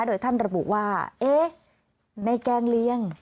โดยท่านระบุว่าแม่แกล้งเลี้ยง